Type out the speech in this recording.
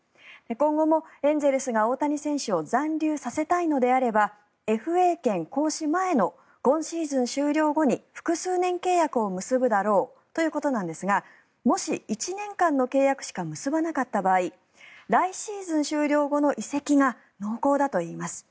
今後もエンゼルスが大谷選手を残留させたいのであればＦＡ権行使前の今シーズン終了後に複数年契約を結ぶだろうということなんですがもし、１年間の契約しか結ばなかった場合来シーズン終了後の移籍が濃厚だといいます。